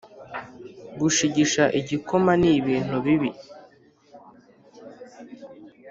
gushigisha igikoma nibintu bibi